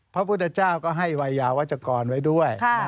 พระพุทธเจ้าก็ให้วัยยาวัชกรไว้ด้วย